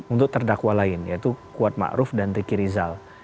untuk terdakwa lain yaitu kuat ma'ruf dan riki rizal